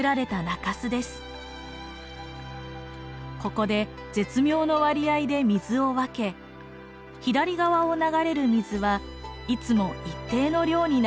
ここで絶妙の割合で水を分け左側を流れる水はいつも一定の量になっています。